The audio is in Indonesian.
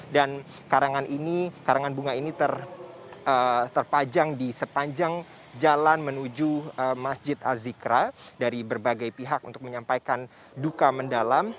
dan karangan bunga ini terpajang di sepanjang jalan menuju masjid azikra dari berbagai pihak untuk menyampaikan duka mendalam